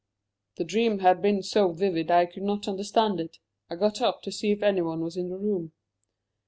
"The dream had been so vivid I could not understand it. I got up to see if anyone was in the room."